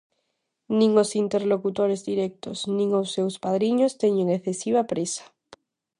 Nin os interlocutores directos nin os seus padriños teñen excesiva présa.